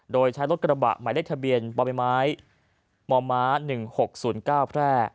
โดยใช้รถกระบะหมายเลขทะเบียนบ่อใบไม้มม๑๖๐๙แพร่